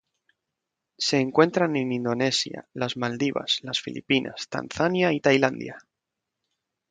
Se encuentran en Indonesia las Maldivas, las Filipinas, Tanzania y Tailandia.